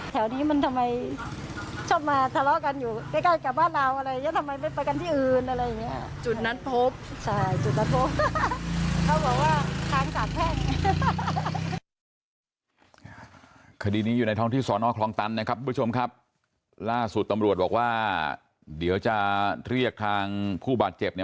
แถวนี้มันทำไมชอบมาทะเลาะกันอยู่ใกล้กับบ้านเราอะไรอย่างนี้